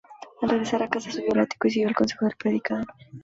Al regresar a casa, subió al ático y siguió el consejo del predicador.